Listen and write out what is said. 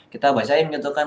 kita baca yang menyebutkan